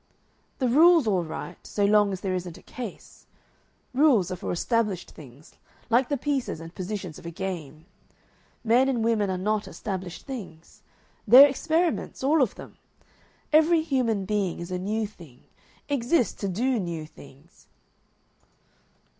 "The rule's all right, so long as there isn't a case. Rules are for established things, like the pieces and positions of a game. Men and women are not established things; they're experiments, all of them. Every human being is a new thing, exists to do new things.